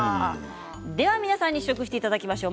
皆さんに試食していただきましょう。